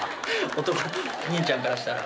お兄ちゃんからしたら。